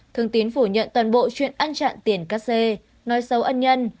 thương tín phủ nhận toàn bộ chuyện ăn chặn tiền cắt xê nói xấu ân nhân